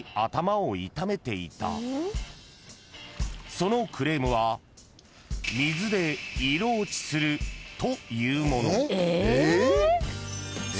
［そのクレームは水で色落ちするというもの］